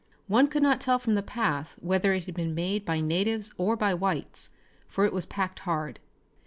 One could not tell from the path whether it had been made by natives or by whites, for it was packed hard.